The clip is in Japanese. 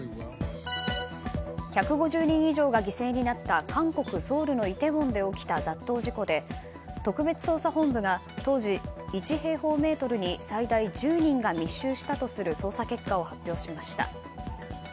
１５０人以上が犠牲になった韓国ソウルのイテウォンで起きた雑踏事故で特別捜査本部が当時、１平方メートルに最大１０人が密集したとする捜査結果を発表しました。